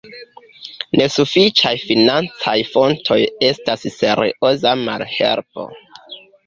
Nesufiĉaj financaj fontoj estas serioza malhelpo.